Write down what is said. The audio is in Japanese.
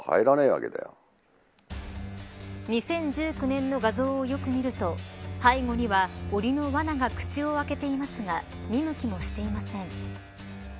２０１９年の画像をよく見ると背後には檻のわなが口を開けていますが見向きもしていません。